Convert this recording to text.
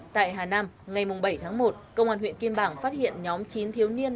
tại hà nam ngày bảy tháng một công an huyện kim bảng phát hiện nhóm chín thiếu niên